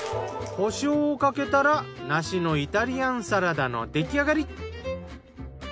コショウをかけたら梨のイタリアンサラダの出来上がり。